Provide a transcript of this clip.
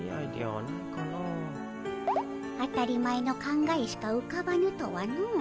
当たり前の考えしかうかばぬとはのう。